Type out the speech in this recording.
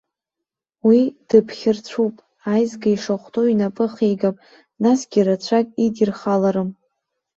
Уи дыԥхьырцәуп, аизга ишахәҭоу инапы ахигап, насгьы рацәак идирхаларым.